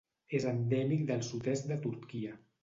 És endèmic del sud-est de Turquia.